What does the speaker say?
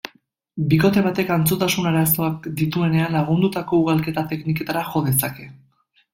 Bikote batek antzutasun-arazoak dituenean, lagundutako ugalketa-tekniketara jo dezake.